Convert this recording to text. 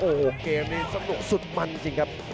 โอ้โหเกมนี้สนุกสุดมันจริงครับ